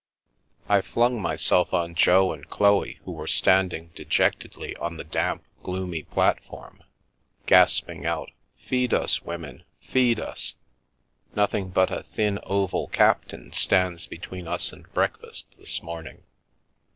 I flung myself on Jo and Chloe, who were standing dejectedly on the damp, gloomy platform, gasping out " Feed us, women, feed us. Nothing but a ' thin oval captain ' stands between us and breakfast this morning."